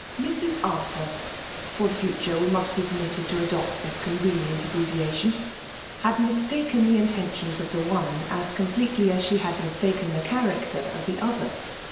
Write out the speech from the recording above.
Mrs. Arthur (for the fotnre we must be permitted to adopt this ooKvenient abbrera^ lioii) had mistaken the intentioiis of the one as completdy as she had mistalcen the chis racter of the other.